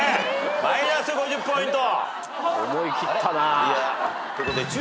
マイナス５０ポイント！